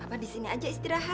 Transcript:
papa disini aja istirahat